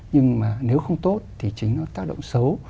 nhưng mà nếu không tốt thì chính nó tác động xấu